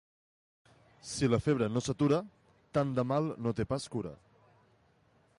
Si la febre no s'atura, tant de mal no té pas cura.